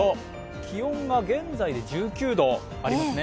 気温が現在で１９度ありますね。